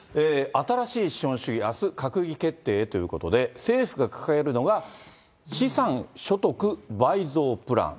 新しい資本主義、あす閣議決定へということで、政府が掲げるのが、資産所得倍増プラン。